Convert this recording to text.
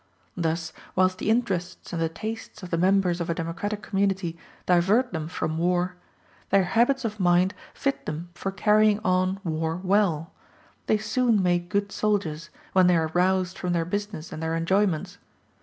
Thus, whilst the interests and the tastes of the members of a democratic community divert them from war, their habits of mind fit them for carrying on war well; they soon make good soldiers, when they are roused from their business and their enjoyments.